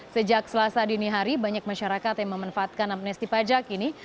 sejak selasa dini hari banyak masyarakat yang memanfaatkan amnesti pajak ini